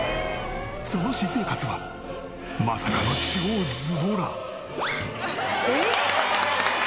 その私生活はまさかの超ズボラ。